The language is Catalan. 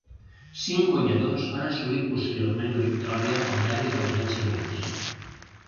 Cinc guanyadors han assolit posteriorment la victòria al derbi dels anys següents.